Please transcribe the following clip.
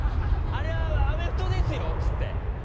あれはアメフトですよっつって。